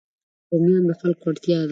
رومیان د خلکو اړتیا ده